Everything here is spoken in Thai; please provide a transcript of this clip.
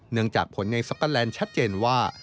เนื่องจากผลในสก๊อตแลนด์ชัดเจนว่า